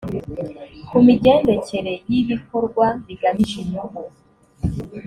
ku migendekere y’ibikorwa bigamije inyungu